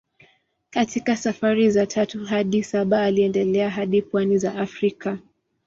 Katika safari za tatu hadi saba aliendelea hadi pwani za Afrika.